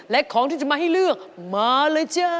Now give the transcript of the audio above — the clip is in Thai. และของที่จะมาให้เลือกมาเลยจ้า